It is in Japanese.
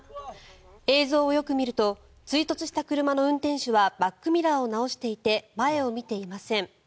映像をよく見ると追突した車の運転手はバックミラーを直していて前を見ていません。